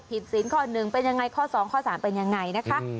ผิดศีลข้อหนึ่งเป็นอย่างไรข้อสองข้อสามเป็นอย่างไร